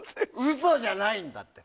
嘘じゃないんだって。